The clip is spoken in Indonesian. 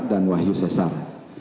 dan wahyu sesar